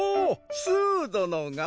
スーどのが？